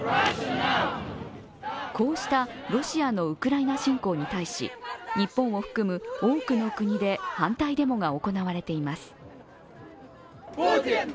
こうしたロシアのウクライナ侵攻に対し、日本を含む多くの国で反対デモが行われています。